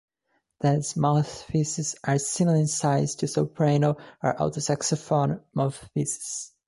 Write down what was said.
These mouthpieces are similar in size to soprano or alto saxophone mouthpieces.